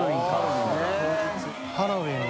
ハロウィーンだ。